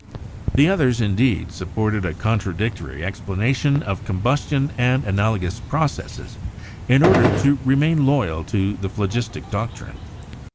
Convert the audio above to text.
The others, indeed, supported a contradictory explanation of combus tion and analogous processes, in order to remain loyal to the phlogistic doctrine.